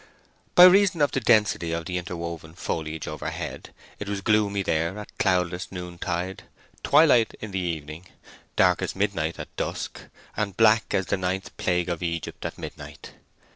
By reason of the density of the interwoven foliage overhead, it was gloomy there at cloudless noontide, twilight in the evening, dark as midnight at dusk, and black as the ninth plague of Egypt at midnight.